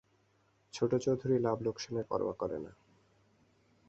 ছোট চৌধুরী লাভ-লোকসানের পরোয়া করে না!